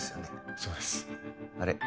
そうですあれ？